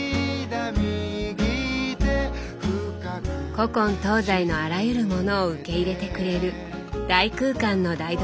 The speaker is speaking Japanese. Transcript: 古今東西のあらゆるものを受け入れてくれる大空間の台所。